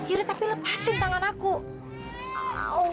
yaudah tapi lepasin tangan aku